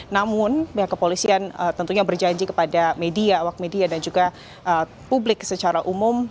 namun pihak kepolisian tentunya berjanji kepada media awak media dan juga publik secara umum